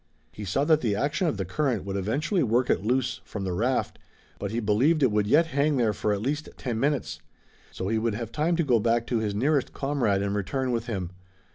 He saw that the action of the current would eventually work it loose from the raft, but he believed it would yet hang there for at least ten minutes. So he would have time to go back to his nearest comrade and return with him.